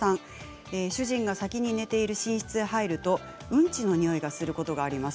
主人が先に寝ている寝室に入るとうんちのにおいがすることがあります。